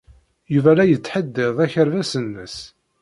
Yuba la yettḥeddid akerbas-nnes.